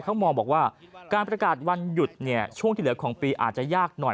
เขามองบอกว่าการประกาศวันหยุดเนี่ยช่วงที่เหลือของปีอาจจะยากหน่อย